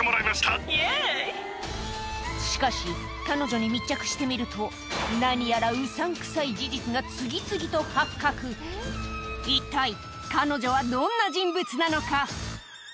しかし彼女に密着してみると何やら事実が次々と発覚一体彼女はどんな人物なのか？